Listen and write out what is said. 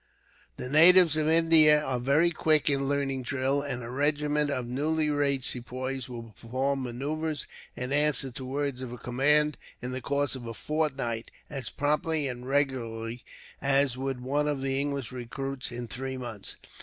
The natives of India are very quick in learning drill, and a regiment of newly raised Sepoys will perform manoeuvres and answer to words of command, in the course of a fortnight, as promptly and regularly as would one of English recruits in three months.